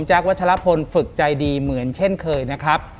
วัชลพลฝึกใจดีเหมือนเช่นเคยนะครับ